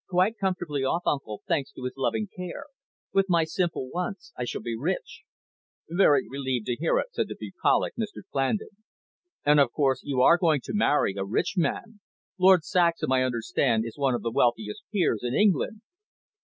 "Quite comfortably off, uncle, thanks to his loving care. With my simple wants, I shall be rich." "Very relieved to hear it," said the bucolic Mr Clandon. "And, of course, you are going to marry a rich man. Lord Saxham, I understand, is one of the wealthiest peers in England."